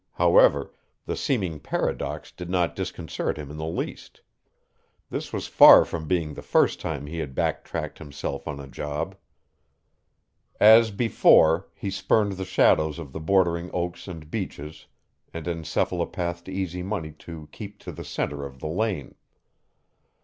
However, the seeming paradox did not disconcert him in the least: this was far from being the first time he had backtracked himself on a job. As "before," he spurned the shadows of the bordering oaks and beeches and encephalopathed Easy Money to keep to the center of the lane.